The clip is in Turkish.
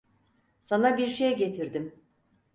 Sana birşey getirdim.